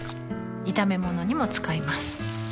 炒め物にも使います